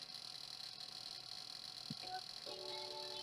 特定粒子的水平座标解析度比同等光学显微镜的解析度还要高。